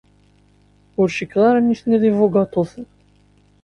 Ur cikkeɣ ara nitni d ibugaṭuten.